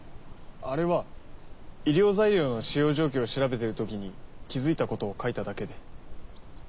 あれは医療材料の使用状況を調べてるときに気づいたことを書いただけで。